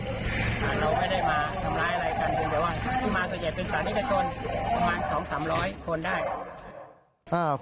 แต่ว่าที่มาก็จะเป็นศาลิกชนประมาณ๒๐๐๓๐๐คนได้